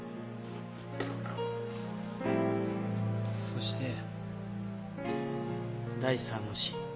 そして第三の詩。